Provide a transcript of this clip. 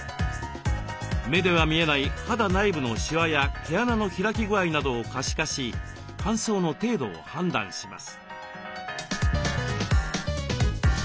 目では見えない肌内部のしわや毛穴の開き具合などを可視化し乾燥の程度を判断します。